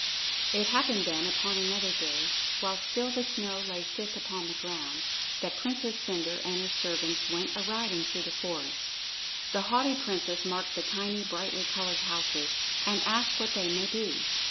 It happened then upon another day, while still the snow lay thick upon the ground, that Princess Cendre and her servants went a riding through this forest. The haughty princess marked the tiny brightly colored houses, and asked what they might be.